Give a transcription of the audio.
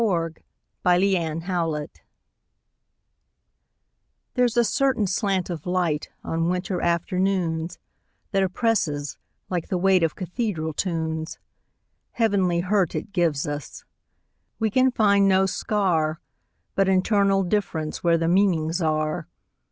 Part Two: Nature LXXXII THERE'S a certain slant of light, On winter afternoons, That oppresses, like the weightOf cathedral tunes. Heavenly hurt it gives us; We can find no scar, But internal differenceWhere the meanings are.